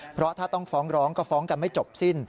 เพราะถ้าต้องฟ้องร้องก็ฟ้องกันไม่จบสิ้น